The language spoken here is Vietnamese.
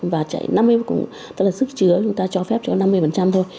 và chạy năm mươi cụm tức là sức chứa chúng ta cho phép cho năm mươi thôi